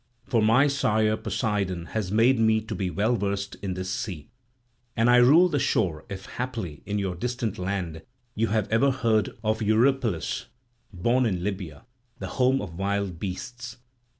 For my sire Poseidon has made me to be well versed in this sea. And I rule the shore if haply in your distant land you have ever heard of Eurypylus, born in Libya, the home of wild beasts."